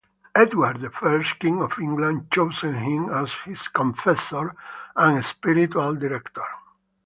Edward the First, King of England, chose him as his confessor and spiritual director.